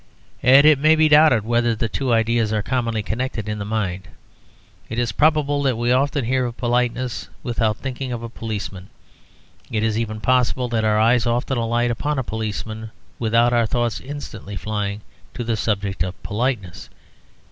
Yet it may be doubted whether the two ideas are commonly connected in the mind. It is probable that we often hear of politeness without thinking of a policeman; it is even possible that our eyes often alight upon a policeman without our thoughts instantly flying to the subject of politeness.